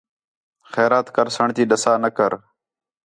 خیرات کَرسݨ تی ݙَسا نہ کر